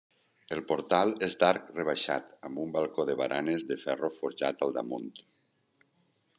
El portal és d'arc rebaixat, amb un balcó de baranes de ferro forjat al damunt.